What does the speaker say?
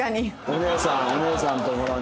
お姉さんお姉さんのところに。